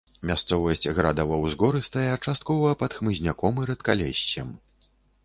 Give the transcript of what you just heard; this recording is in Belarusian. Мясцовасць градава-ўзгорыстая, часткова пад хмызняком і рэдкалессем.